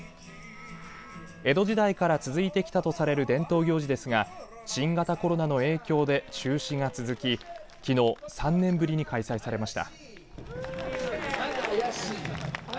江戸時代から続いてきたとされる伝統行事ですが新型コロナの影響で中止が続ききのう３年ぶりに開催されました。